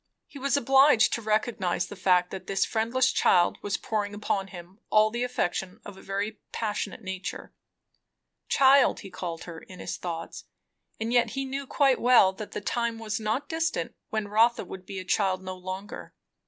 He was obliged to recognize the fact, that this friendless child was pouring upon him all the affection of a very passionate nature. Child, he called her in his thoughts, and yet he knew quite well that the time was not distant when Rotha would be a child no longer.